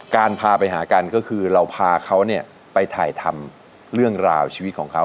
พาไปหากันก็คือเราพาเขาไปถ่ายทำเรื่องราวชีวิตของเขา